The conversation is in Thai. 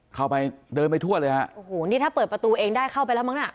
เข้าไปเดินไปทั่วเลยฮะโอ้โหนี่ถ้าเปิดประตูเองได้เข้าไปแล้วมั้งน่ะ